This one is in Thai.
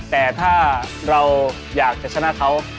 แต่ถ้าเราอยากจะชนะเขา